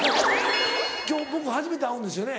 今日僕初めて会うんですよね。